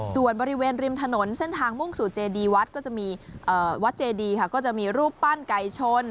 ส่วนบริเวณริมถนนเส้นทางมุ่งสู่เจดีวัดก็จะมีรูปปั้นไก่ชน